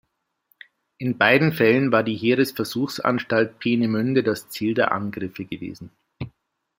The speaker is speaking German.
In beiden Fällen war die Heeresversuchsanstalt Peenemünde das Ziel der Angriffe gewesen.